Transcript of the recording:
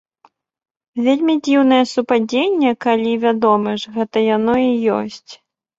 Вельмі дзіўнае супадзенне, калі, вядома ж, гэта яно і ёсць.